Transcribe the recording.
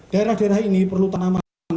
daerah daerah ini perlu tanaman